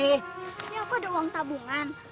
ini aku ada uang tabungan